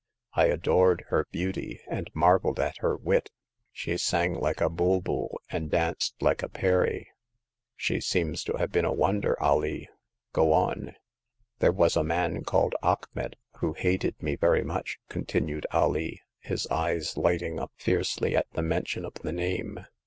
I adored her beauty, and marveled at her wit. She sang like a bulbul, and danced like a Peri.'' She seems to have been a wonder. Alee ! Go on." There was a man called Achmet, who hated me very much," continued Alee, his eyes light ing up fiercely at the mention of the name.